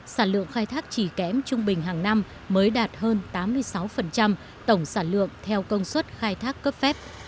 sản lượng khai thác chỉ kém trung bình hàng năm mới đạt hơn tám mươi sáu tổng sản lượng theo công suất khai thác cấp phép